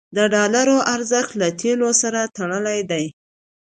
د ډالر ارزښت له تیلو سره تړلی دی.